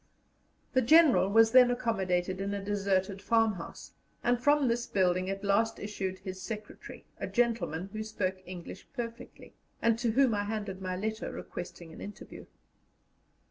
The General was then accommodated in a deserted farmhouse, and from this building at last issued his secretary, a gentleman who spoke English perfectly, and to whom I handed my letter requesting an interview.